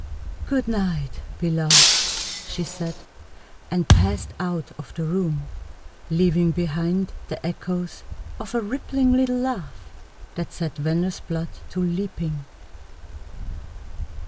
"Good night, beloved!" she said, and passed out of the room, leaving behind the echoes of a rippling little laugh that set Venner's blood to leaping.